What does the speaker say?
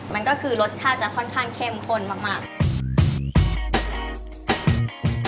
มันก็คือรสชาติจะค่อนข้างเข้มข้นมาก